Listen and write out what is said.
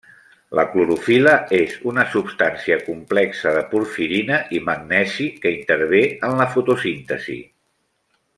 La clorofil·la és una substància complexa de porfirina i magnesi que intervé en la fotosíntesi.